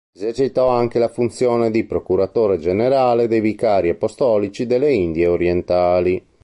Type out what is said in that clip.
Esercitò anche la funzione di procuratore generale dei vicari apostolici delle Indie orientali.